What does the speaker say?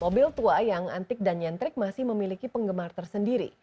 mobil tua yang antik dan nyentrik masih memiliki penggemar tersendiri